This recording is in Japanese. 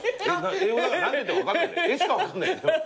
絵しか分かんない。